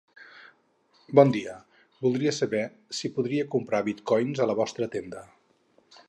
Bon dia, voldria saber si podria comprar bitcoins a la vostra tenda.